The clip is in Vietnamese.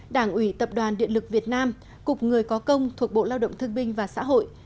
đảng ủy tập đoàn điện lực việt nam cục người có công thuộc bộ lao động thương binh và xã hội